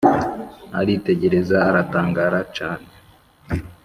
Aritegereza aratangara, cane